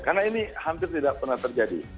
karena ini hampir tidak pernah terjadi